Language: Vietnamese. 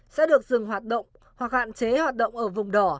sẽ được dừng hoạt động hoặc hạn chế hoạt động ở vùng đỏ